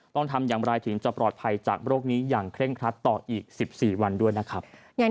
ต้องทำอย่างไรถึงจะปลอดภัยจากโรคนี้อย่างเคร่งครัดต่ออีก๑๔วันด้วยนะครับ